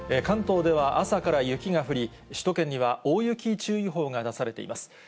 関東では朝から雪が降り、首都圏には大雪注意報が出されています。